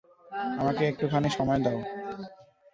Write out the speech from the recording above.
আমাকে একটুখানি সময় দাও।